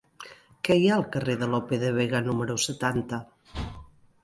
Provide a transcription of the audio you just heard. Què hi ha al carrer de Lope de Vega número setanta?